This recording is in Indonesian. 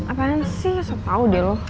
apaan sih gak usah tau deh lo